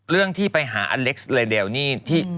เรื่องที่ไปหาอเล็กซ์เลเดลนี่ที่